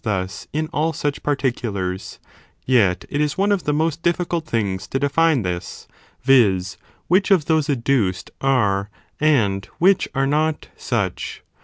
thus in all such particulars; yet it is one of the most difficult things to define this, viz. which of those adduced are, and which are not, such.